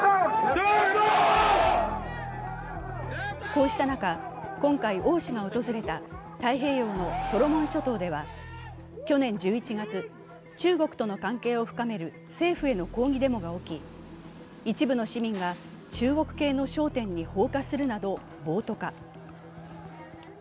こうした中、今回王氏が訪れた太平洋のソロモン諸島では、去年１１月、中国との関係を深める政府への抗議デモが続き一部の市民が中国系の商店に放火するなど、暴徒化。